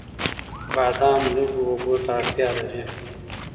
بادام لږو اوبو ته اړتیا لري.